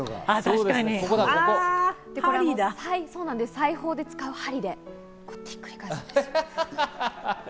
裁縫で使う針でひっくり返します。